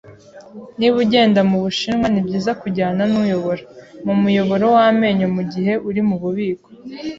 Niba ugenda mubushinwa, nibyiza kujyana nuyobora. Mpa umuyoboro w'amenyo mugihe uri mububiko.